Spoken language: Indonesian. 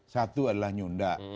satu adalah nyunda